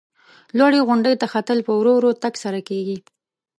لوړې غونډۍ ته ختل په ورو ورو تگ سره کیږي.